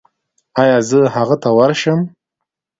ایا زه هغه ته ورشم؟